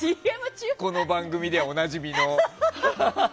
この番組ではおなじみの。